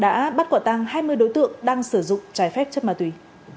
đã bắt quả tăng hai mươi đối tượng đang sử dụng trái phép chất ma túy